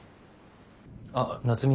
あっ夏海。